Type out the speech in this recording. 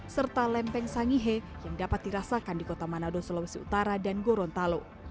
serta lempeng sangihe yang dapat dirasakan di kota manado sulawesi utara dan gorontalo